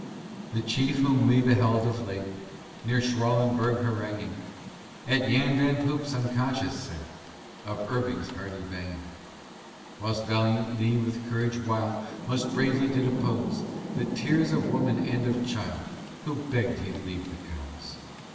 The chief whom we beheld of late, Near Schralenberg haranging, At Yan Van Poop's unconscious sat Of Irving's hearty banging. Whilst valiant Lee, with courage wild, Most bravely did oppose The tears of woman and of child, Who begg'd he'd leave the cows.